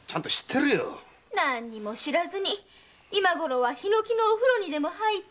何も知らずに今ごろは檜のお風呂にでも入って。